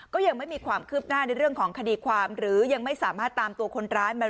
ก็ยังไม่มีความคืบหน้าในเรื่องของคดีความหรือยังไม่สามารถตามตัวคนร้ายมา